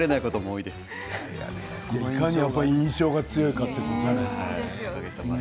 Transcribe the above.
いかに印象が強いかということですね。